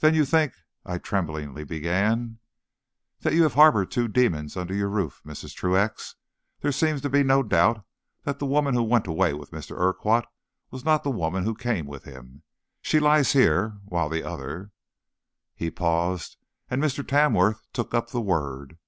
"Then you think," I tremblingly began "That you have harbored two demons under your roof, Mrs. Truax. There seems to be no doubt that the woman who went away with Mr. Urquhart was not the woman who came with him. She lies here, while the other " He paused, and Mr. Tamworth took up the word.